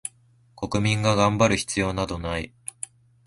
国民が頑張る必要などない